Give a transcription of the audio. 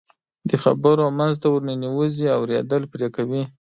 د خبرو منځ ته ورننوځي، اورېدل پرې کوي.